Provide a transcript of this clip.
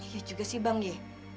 yes juga sih bang ya